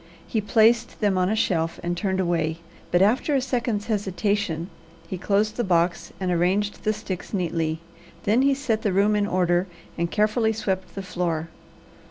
He placed them on a shelf and turned away, but after a second's hesitation he closed the box and arranged the sticks neatly. Then he set the room in order and carefully swept the floor.